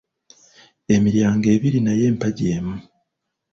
Emiryango ebiri naye empagi emu